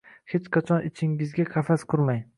Hech qachon ichingizga qafas qurmang